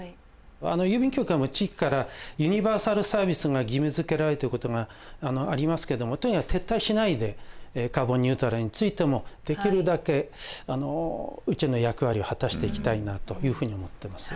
郵便局はもう地域からユニバーサルサービスが義務づけられるということがありますけどもとにかく撤退しないでカーボンニュートラルについてもできるだけうちの役割を果たしていきたいなというふうに思ってます。